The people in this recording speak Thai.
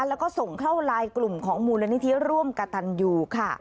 แล้วก็ส่งเข้าไลน์กลุ่มของมูลนิธิร่วมกระตันยูค่ะ